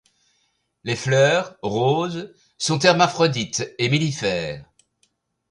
Les fleurs, roses, sont hermaphrodites et millifères.